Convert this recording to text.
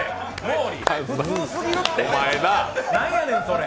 普通すぎるって、何やねん、それ。